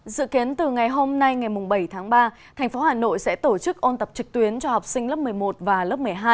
dự kiến từ ngày hôm nay ngày bảy tháng ba thành phố hà nội sẽ tổ chức ôn tập trực tuyến cho học sinh lớp một mươi một và lớp một mươi hai